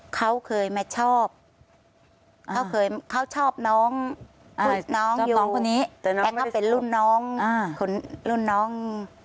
เขาเคยมาชอบเขาชอบน้องอยู่แต่เขาเป็นรุ่นน้อง